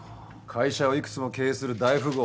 会社をいくつも経営する大富豪。